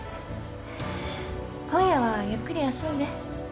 今夜はゆっくり休んで。